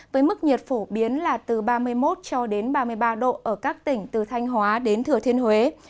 với mức nhiệt phổ biến là từ ba mươi một cho đến ba mươi ba độ ở các tỉnh từ thanh hóa đến thừa thiên huế